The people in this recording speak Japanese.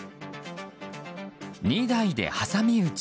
２台で挟み撃ち。